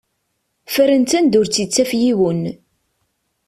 Fren-tt anda ur tt-ittaf yiwen.